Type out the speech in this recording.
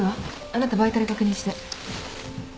あなたバイタル確認して。